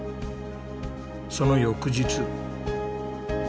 その翌日。